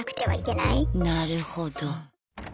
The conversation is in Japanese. なるほど。